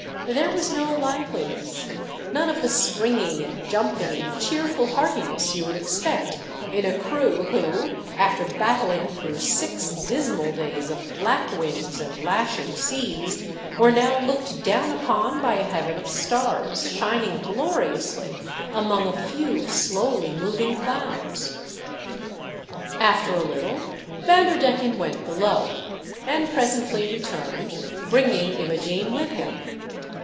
There was no liveliness — none of the springing and jumping and cheerful heartiness you would expect in a crew who, after battling through six dismal days of black winds and lashing seas, were now looked down upon by a Heaven of stars, shining gloriously among a few slowly moving clouds. After a little Vanderdecken went below, and presently returned bringing Imogene with him.